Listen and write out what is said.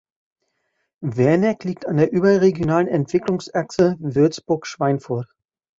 Werneck liegt an der überregionalen Entwicklungsachse Würzburg–Schweinfurt.